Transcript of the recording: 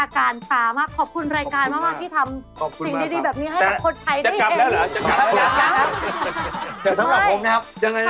คำทั้งแรกในชีวิตนะครับ